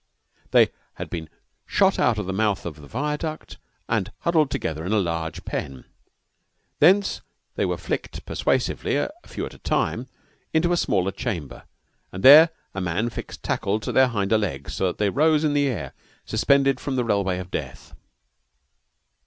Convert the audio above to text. They had just been shot out of the mouth of the viaduct and huddled together in a large pen. Thence they were flicked persuasively, a few at a time, into a smaller chamber, and there a man fixed tackle on their hinder legs, so that they rose in the air, suspended from the railway of death.